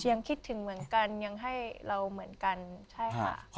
คิดถึงเหมือนกันยังให้เราเหมือนกันใช่ค่ะ